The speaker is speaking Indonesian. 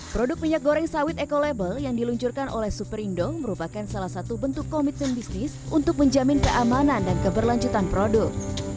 produk minyak goreng sawit eco label yang diluncurkan oleh superindo merupakan salah satu bentuk komitmen bisnis untuk menjamin keamanan dan keberlanjutan produk